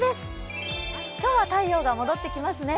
今日は太陽が戻ってきますね？